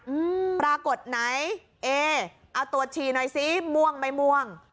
อืมปรากฏไหนเอเอาตรวจฉี่หน่อยซิม่วงไม่ม่วง